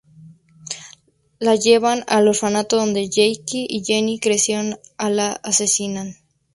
La llevan al orfanato donde Jackie y Jenny crecieron y la asesinan.